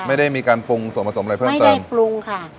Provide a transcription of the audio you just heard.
ไม่ได้มีการปรุงส่วนผสมอะไรเพิ่มเติมปรุงค่ะ